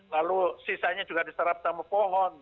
lalu sisanya juga diserap sama pohon